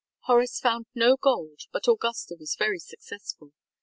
_] Horace found no gold, but Augusta was very successful.